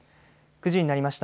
９時になりました。